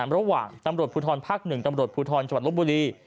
ระหว่างตำรวจภูทรภักด์หนึ่งตำรวจภูทรจลบบุรี